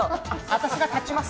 私が立ちます。